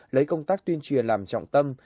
lấy công tác tuyên truyền làm trọng tâm